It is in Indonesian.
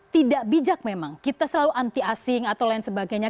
tidak bijak memang kita selalu anti asing atau lain sebagainya